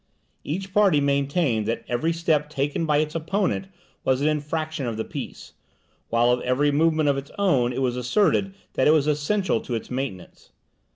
Each party maintained that every step taken by its opponent was an infraction of the peace, while of every movement of its own it was asserted that it was essential to its maintenance.